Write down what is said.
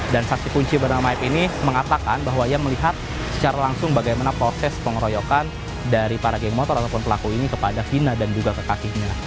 dan saksi kunci bernama ayep ini mengatakan bahwa ia melihat secara langsung bagaimana proses pengeroyokan dari para geng motor ataupun pelaku ini kepada vina dan juga ke kakinya